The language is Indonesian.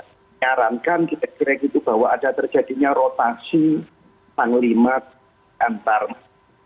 mengharankan kita kira gitu bahwa ada terjadinya rotasi panglima tentara nasional